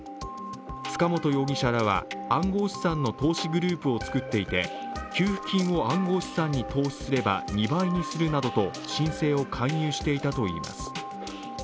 塚本容疑者らは暗号資産の投資グループを作っていて給付金を暗号資産に投資すれば２倍にするなどと申請を勧誘していたといいます。